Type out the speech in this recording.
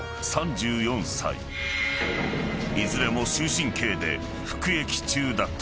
［いずれも終身刑で服役中だった］